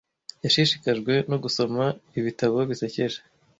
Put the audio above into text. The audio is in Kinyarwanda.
Yashishikajwe no gusoma ibitabo bisekeje.